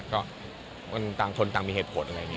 มันต่างคนต่างมีเหตุผล